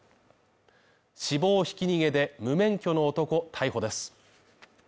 死亡ひき逃げで、無免許の男逮捕です。